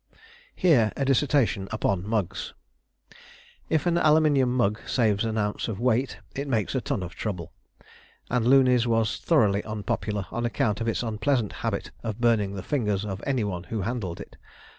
Here a dissertation upon mugs. If an aluminium mug saves an ounce of weight, it makes a ton of trouble: and Looney's was thoroughly unpopular on account of its unpleasant habit of burning the fingers of any one who handled it.